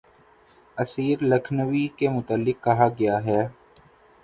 اسیر لکھنوی کے متعلق کہا گیا ہے